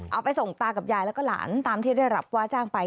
เอาไปส่งตากับยายแล้วก็หลานตามที่ได้รับว่าจ้างไป